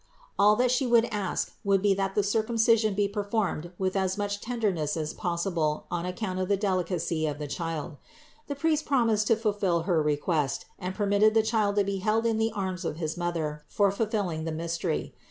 All that She would ask would be that the circumcision be per 448 CITY OF GOD formed with as much tenderness as possible on account of the delicacy of the Child. The priest promised to fulfill her request, and permitted the Child to be held in the arms of his Mother for fulfilling the mystery.